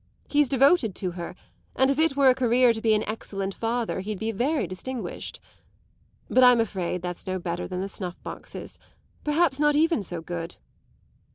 He's devoted to her, and if it were a career to be an excellent father he'd be very distinguished. But I'm afraid that's no better than the snuff boxes; perhaps not even so good.